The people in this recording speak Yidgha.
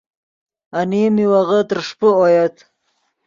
انیم میوغے ترݰپے اویت